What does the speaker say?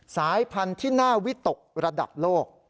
สายพันธุ์ที่น่าวิตกระดับโลก